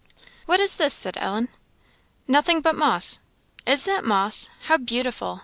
"What is this?" said Ellen. "Nothing but moss." "Is that moss! How beautiful!